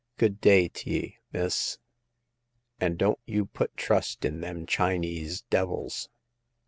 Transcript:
Good day t' ye, miss, and don't you put trust in them Chinese devils."